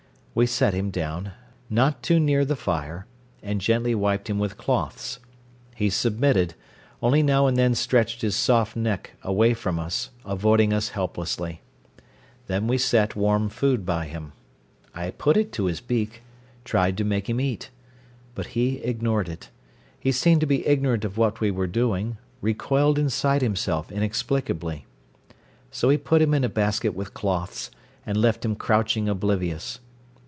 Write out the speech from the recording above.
We set him down, not too near the fire, and gently wiped him with cloths. He submitted, only now and then stretched his soft neck away from us, avoiding us helplessly. Then we set warm food by him. I put it to his beak, tried to make him eat. But he ignored it. He seemed to be ignorant of what we were doing, recoiled inside himself inexplicably. So we put him in a basket with cloths, and left him crouching oblivious.